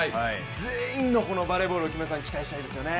全員のバレーボールを期待したいですよね。